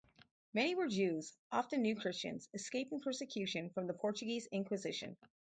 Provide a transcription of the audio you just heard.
Many were Jews, often New Christians, escaping persecution from the Portuguese Inquisition.